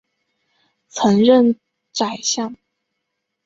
曾任宰相。